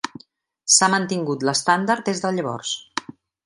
S'ha mantingut l'estàndard des de llavors.